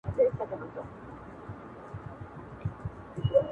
o شل سره خيشتوي، يو لا نه خريي.